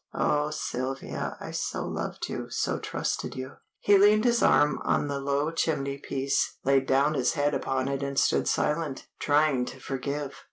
Oh, Sylvia, I so loved, so trusted you." He leaned his arm on the low chimney piece, laid down his head upon it and stood silent, trying to forgive.